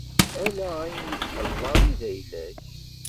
Ala ayen i d-tḥellaḍ i d ayla-k.